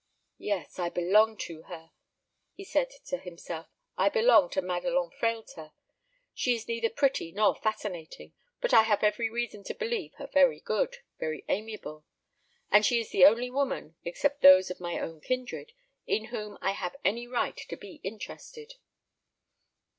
"Yes, I belong to her," he said to himself; "I belong to Madelon Frehlter. She is neither pretty nor fascinating; but I have every reason to believe her very good, very amiable; and she is the only woman, except those of my own kindred, in whom I have any right to be interested."